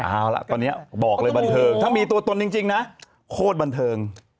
เอาล่ะตอนนี้บอกเลยบันเทิงถ้ามีตัวตนจริงนะโคตรบันเทิง